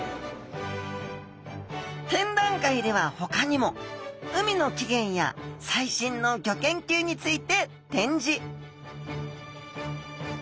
展覧会ではほかにも海の起源や最新のギョ研究について展示！